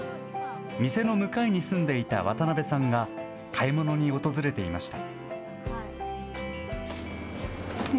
店の向かいに住んでいた渡辺さんが買い物に訪れていました。